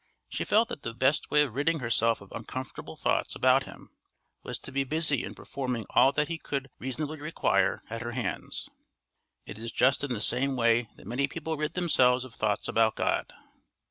She felt that the best way of ridding herself of uncomfortable thoughts about him was to be busy in performing all that he could reasonably require at her hands. It is just in the same way that many people rid themselves of thoughts about God.